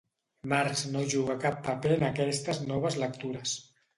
Marx no juga cap paper en aquestes noves lectures.